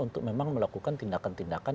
untuk memang melakukan tindakan tindakan